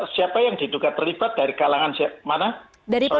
siapa yang diduga terlibat dari kalangan mana